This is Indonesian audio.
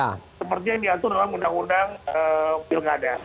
seperti yang diatur dalam undang undang pilkada